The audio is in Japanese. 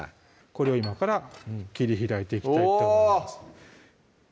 これを今から切り開いていきたいと思います